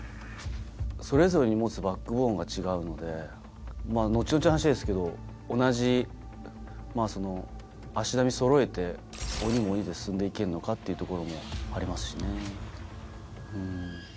それぞれに持つバックボーンが違うので後々の話ですけど同じ足並みそろえて鬼も鬼で進んでいけんのかっていうところもありますしね。